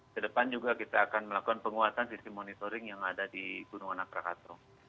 sedepan juga kita akan melakukan penguatan sisi monitoring yang ada di gunung anak rakatong